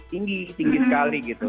tinggi tinggi sekali gitu